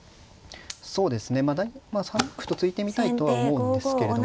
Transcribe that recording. そうですねまあ３六歩と突いてみたいとは思うんですけれども。